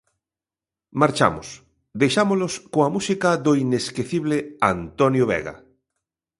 Marchamos, deixámolos coa música do inesquecible Antonio Vega.